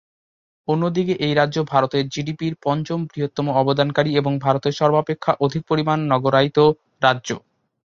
অন্যদিকে এই রাজ্য ভারতের জিডিপি-র পঞ্চম বৃহত্তম অবদানকারী এবং ভারতের সর্বাপেক্ষা অধিক পরিমাণ নগরায়িত রাজ্য।